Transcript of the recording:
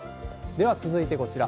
では続いてこちら。